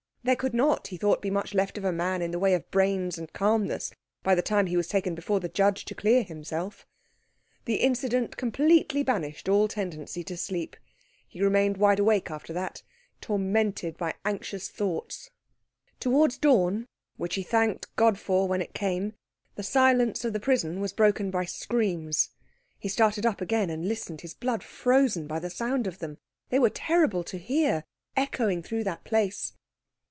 There could not, he thought, be much left of a man in the way of brains and calmness by the time he was taken before the judge to clear himself. The incident completely banished all tendency to sleep. He remained wide awake after that, tormented by anxious thoughts. Towards dawn, for which he thanked God when it came, the silence of the prison was broken by screams. He started up again and listened, his blood frozen by the sound of them. They were terrible to hear, echoing through that place.